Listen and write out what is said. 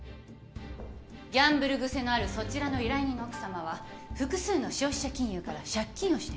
ギャンブル癖のあるそちらの依頼人の奥さまは複数の消費者金融から借金をしていた。